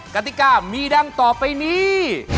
กติกามีดังต่อไปนี้